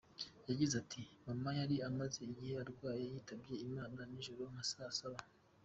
Yagize ati “Mama yari amaze igihe arwaye, yitabye Imana nijoro nka saa saba.